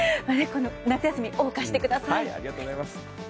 この夏休み謳歌してください。